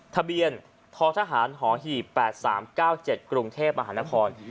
ทะเบียนททหารหอหีบ๘๓๙๗กรุงเทพมหานคร